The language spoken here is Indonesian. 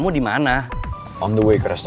udah ngeri ngeri aja